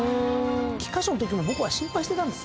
菊花賞のときも僕は心配してたんです。